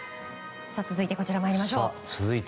続いてこちらまいりましょう。